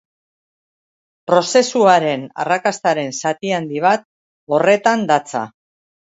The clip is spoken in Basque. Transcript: Prozesuaren arrakastaren zati handi bat horretan datza.